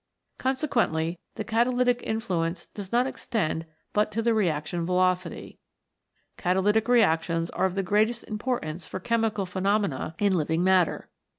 Consequently the catalytic influence does not extend but to the reaction velocity. Catalytic reactions are of the greatest importance for chemical phenomena in 90 CATALYSIS AND THE ENZYMES living matter.